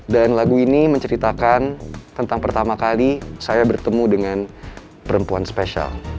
dan lagu ini menceritakan tentang pertama kali saya bertemu dengan perempuan spesial